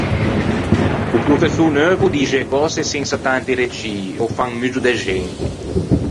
O professô neuvo o dixe e cöse sensa tanti regii e o fa un muggio d’exempi.